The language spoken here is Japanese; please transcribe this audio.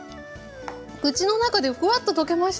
口の中でふわっと溶けました。